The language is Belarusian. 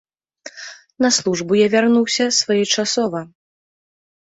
На службу я вярнуўся своечасова.